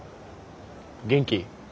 元気？